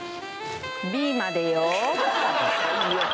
「Ｂまでよ。」